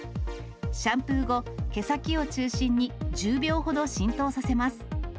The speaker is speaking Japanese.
シャンプー後、毛先を中心に１０秒ほど浸透させます。